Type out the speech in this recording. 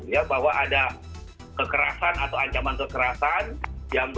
ya bahwa ada kekerasan atau ancaman kekerasan